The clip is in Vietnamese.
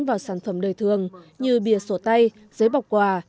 vào sản phẩm đời thường như bìa sổ tay giấy bọc quà